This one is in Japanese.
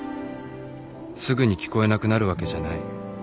すぐに聞こえなくなるわけじゃない